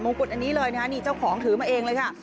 กุฎอันนี้เลยนะคะนี่เจ้าของถือมาเองเลยค่ะ